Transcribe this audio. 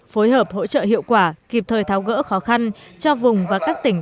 phối hợp hỗ trợ hiệu quả kịp thời tháo gỡ khó khăn cho vùng và các tỉnh